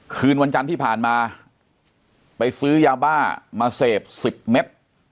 คืนวันจันทร์ที่ผ่านมาไปซื้อยาบ้ามาเสพ๑๐เม็ด